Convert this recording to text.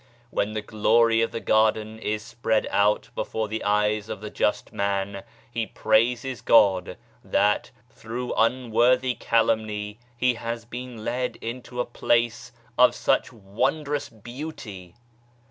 When the glory of the garden is spread out before the eyes of the just man, he praises God that, through unworthy calumny, he has been led into a place of such wondrous beauty